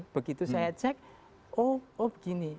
begitu saya cek oh begini